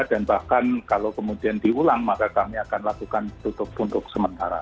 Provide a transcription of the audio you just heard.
dan bahkan kalau kemudian diulang maka kami akan lakukan tutup untuk sementara